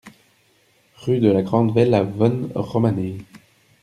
Rue de la Grand'Velle à Vosne-Romanée